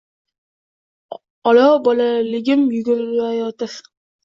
Olov bolaligim yugurayotir.